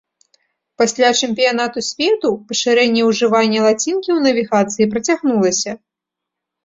Пасля чэмпіянату свету пашырэнне ўжывання лацінкі ў навігацыі працягнулася.